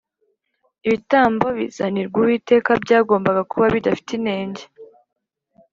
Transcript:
Ibitambo bizanirwa Uwiteka byagombaga kuba bidafite inenge